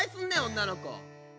女の子。